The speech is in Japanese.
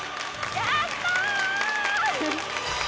やった！